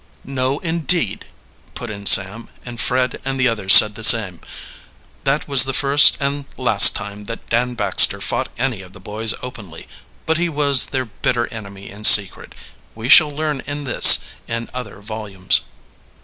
"No, indeed!" put in Sam; and Fred and the others said the same. That was the first and last time that Dan Baxter fought any of the boys openly, but he was their bitter enemy in secret; we shall learn in this and other volumes.